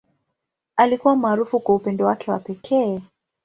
Alikuwa maarufu kwa upendo wake wa pekee.